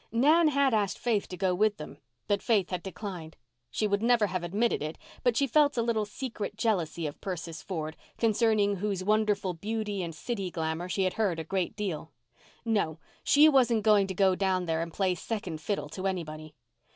Nan had asked Faith to go with them, but Faith had declined. She would never have admitted it, but she felt a little secret jealousy of Persis Ford, concerning whose wonderful beauty and city glamour she had heard a great deal. No, she wasn't going to go down there and play second fiddle to anybody.